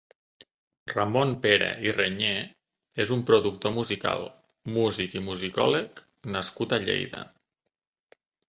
Ramon Pera i Reñé és un productor musical, músic i musicòleg nascut a Lleida.